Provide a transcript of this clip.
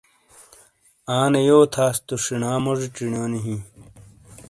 آنے یو تھاس تو شینا موجی چینیونی ہیں۔